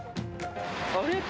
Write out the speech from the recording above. あれ？